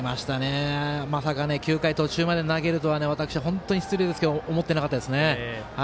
まさか９回途中まで投げるとは本当に失礼ですが思ってなかったですね。